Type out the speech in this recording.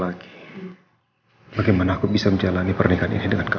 bagaimana aku bisa menjalani pernikahan ini dengan baik